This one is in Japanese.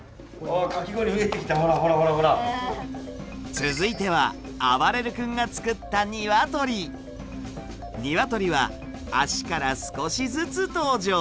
続いてはあばれる君が作ったにわとりは足から少しずつ登場。